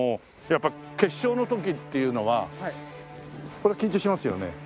やっぱ決勝の時っていうのは緊張しますよね？